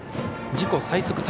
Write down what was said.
自己最速